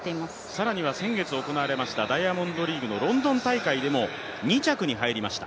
更には先月行われましたダイヤモンドリーグのロンドン大会でも２着に入りました。